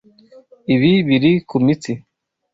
Ibi biri kumitsi.